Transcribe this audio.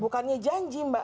bukannya janji mbak